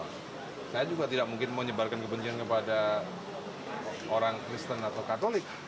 saya juga tidak mungkin menyebarkan kebencian kepada orang kristen atau katolik